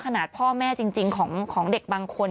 ขนาดพ่อแม่จริงของเด็กบางคน